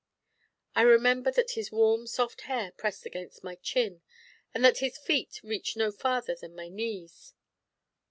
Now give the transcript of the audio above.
I remember that his warm, soft hair pressed against my chin, and that his feet reached no farther than my knees.